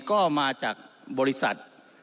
ก็มาจากบริษัท